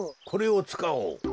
これをつかおう。